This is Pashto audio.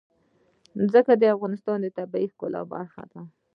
ځمکه د افغانستان د طبیعت د ښکلا برخه ده.